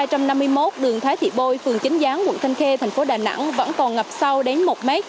trong năm một nghìn chín trăm năm mươi một đường thái thị bôi phường chính gián quận thanh khê thành phố đà nẵng vẫn còn ngập sâu đến một m